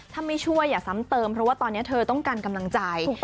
ถ้าไม่ช่วยอย่าซ้ำเติมเพราะว่าตอนนี้เธอต้องการกำลังใจ